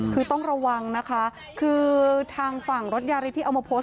คือต้องระวังนะคะคือทางฝั่งรถยาริสที่เอามาโพสต์